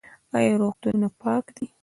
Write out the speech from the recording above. آیا روغتونونه پاک دي؟